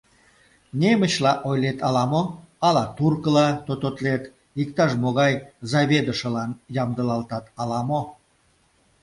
— Немычла ойлет ала-мо, ала туркыла тототлет, иктаж-могай заведышылан ямдылалтат ала-мо...